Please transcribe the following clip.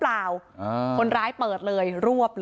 ไม่อยากให้ต้องมีการศูนย์เสียกับผมอีก